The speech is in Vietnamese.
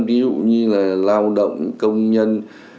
ví dụ như là lao động công nhân